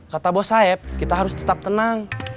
kata bos saib kita harus tetap tenang